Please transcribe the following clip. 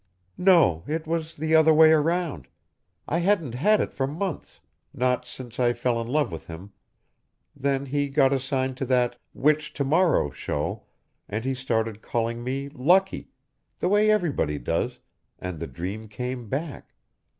"No. It was the other way around. I hadn't had it for months, not since I fell in love with him, then he got assigned to that "Which Tomorrow?" show and he started calling me "Lucky," the way everybody does, and the dream came back...."